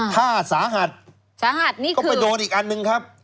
ถ้าสาหัสก็ไปโดนอีกอันนึงครับ